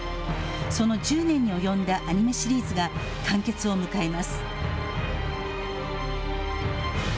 その１０年に及んだアニメシリーズが完結を迎えます。